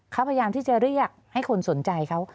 เขาพยายามที่จะเรียกให้คนสนใจเขา